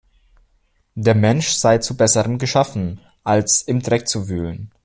Der Mensch sei zu Besserem geschaffen, „als im Dreck zu wühlen.